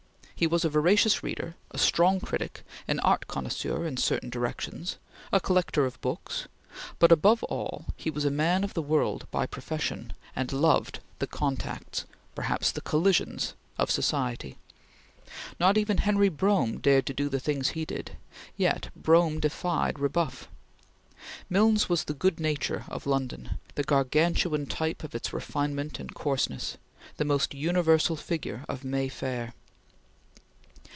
He was a voracious reader, a strong critic, an art connoisseur in certain directions, a collector of books, but above all he was a man of the world by profession, and loved the contacts perhaps the collisions of society. Not even Henry Brougham dared do the things he did, yet Brougham defied rebuff. Milnes was the good nature of London; the Gargantuan type of its refinement and coarseness; the most universal figure of May Fair.